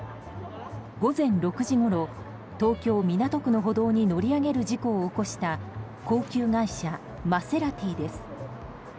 午前６時ごろ東京・港区の歩道に乗り上げる事故を起こした高級外車マセラティです。